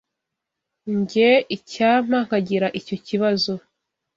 Gee, Icyampa nkagira icyo kibazo.